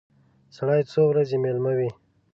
سړی څو ورځې مېلمه وي.